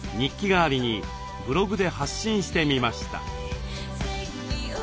代わりにブログで発信してみました。